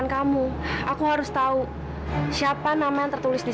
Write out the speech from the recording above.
kamu dari mana riz